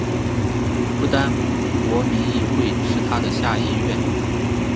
不丹国民议会是它的下议院。